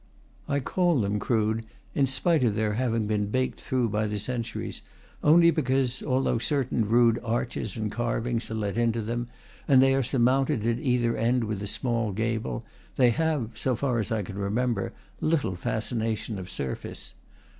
I call them crude, in spite of their having been baked through by the centuries, only because, although certain rude arches and carvings are let into them, and they are surmounted at either end with a small gable, they have (so far as I can remember) little fascination of surface.